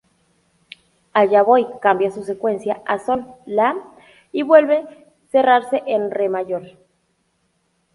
Allá voy"; cambia su secuencia a sol, la y vuelve cerrarse en re mayor.